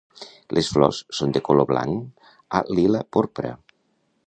Les flors són de color blanc a lila porpra.